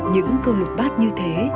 những câu lục bát như thế